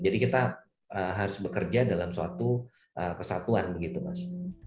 jadi kita harus bekerja dalam suatu kesatuan begitu mas